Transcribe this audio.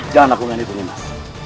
jangan lakukan itu minas